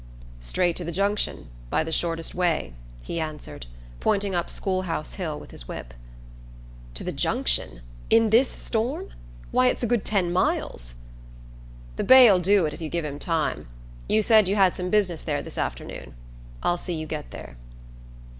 "Straight to the Junction, by the shortest way," he answered, pointing up School House Hill with his whip. "To the Junction in this storm? Why, it's a good ten miles!" "The bay'll do it if you give him time. You said you had some business there this afternoon. I'll see you get there."